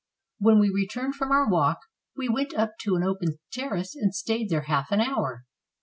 When we returned from our walk we 279 FRANCE went up to an open terrace and stayed there half an hour.